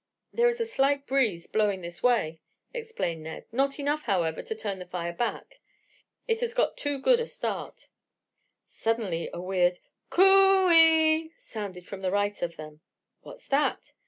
"There is a slight breeze blowing this way," explained Ned. "Not enough, however, to turn the fire back. It has got too good a start." Suddenly a weird "c o o e e" sounded to the right of them. "What's that?"